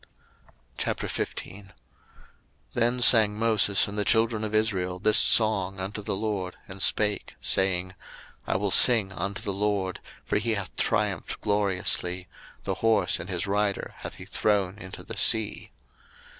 02:015:001 Then sang Moses and the children of Israel this song unto the LORD, and spake, saying, I will sing unto the LORD, for he hath triumphed gloriously: the horse and his rider hath he thrown into the sea.